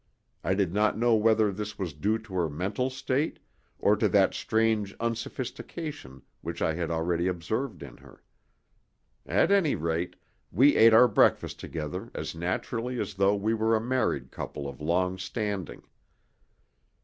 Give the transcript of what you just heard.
I did not know whether this was due to her mental state or to that strange unsophistication which I had already observed in her. At any rate, we ate our breakfast together as naturally as though we were a married couple of long standing.